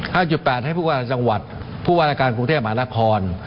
๕๘ให้ผู้บรรยากาศจังหวัดผู้บรรยากาศกรุงเทพหมานาคอล